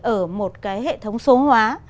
ở một cái hệ thống số hóa